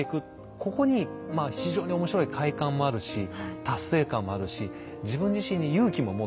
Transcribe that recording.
ここに非常に面白い快感もあるし達成感もあるし自分自身に勇気も持ってもらえる。